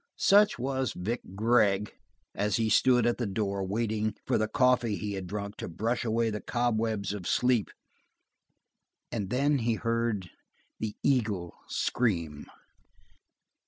Such was Vic Gregg as he stood at the door waiting for the coffee he had drunk to brush away the cobwebs of sleep, and then he heard the eagle scream.